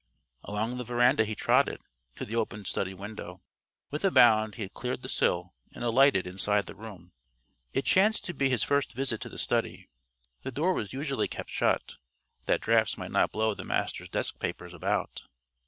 Along the veranda he trotted, to the open study window. With a bound he had cleared the sill and alighted inside the room. It chanced to be his first visit to the study. The door was usually kept shut, that drafts might not blow the Master's desk papers about.